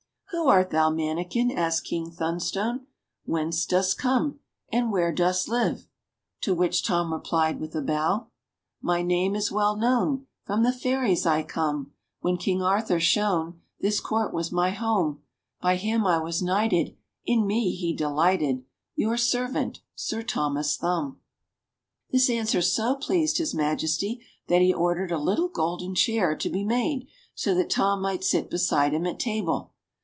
"Who art thou, mannikin.?" asked King Thunstone; "whence dost come ? And where dost live ?" To which Tom replied with a bow — "My name is well known. From the Fairies I come. When King Arthur shone. This Court was my home. By him I was knighted, In me he delighted — Your servant — Sir Thomas Thumb." 212 ENGLISH FAIRY TALES This address so pleased His Majesty that he ordered a little golden chair to be made, so that Tom might sit beside him at table.